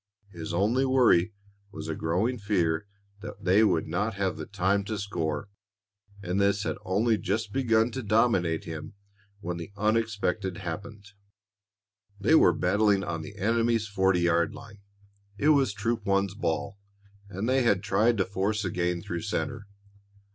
His only worry was a growing fear that they would not have time to score, and this had only just begun to dominate him when the unexpected happened. They were battling on the enemy's forty yard line. It was Troop One's ball, and they had tried to force a gain through center.